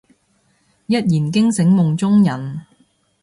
一言驚醒夢中人